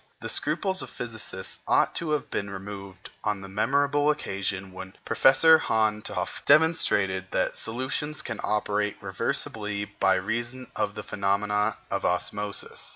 The scruples of physicists ought to have been removed on the memorable occasion when Professor Van t'Hoff demonstrated that solution can operate reversibly by reason of the phenomena of osmosis.